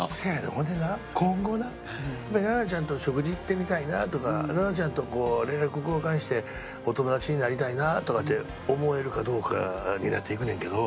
ほんでな今後な奈々ちゃんと食事行ってみたいなとか奈々ちゃんとこう連絡交換してお友達になりたいなとかって思えるかどうかになっていくねんけど。